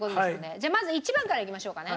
じゃあまず１番からいきましょうかね。